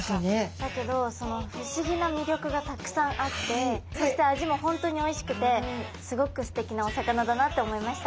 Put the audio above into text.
だけどその不思議な魅力がたくさんあってそして味も本当においしくてすごくすてきなお魚だなって思いました。